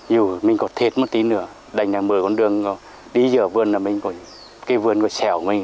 dù mình có thiệt một tí nữa đành là một mươi con đường đi giờ vườn là mình có cái vườn có xẻo mình